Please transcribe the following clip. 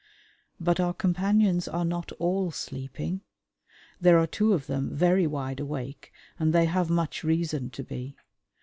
But our companions are not all sleeping. There are two of them very wide awake, and they have much reason to be.